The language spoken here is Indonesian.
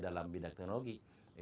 dalam bidang teknologi